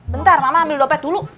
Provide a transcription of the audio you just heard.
bentar mama ambil dompet dulu